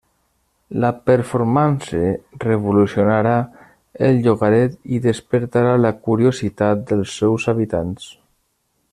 La performance revolucionarà el llogaret i despertarà la curiositat dels seus habitants.